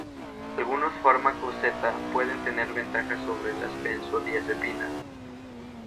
Algunos fármacos Z pueden tener ventajas sobre las benzodiazepinas.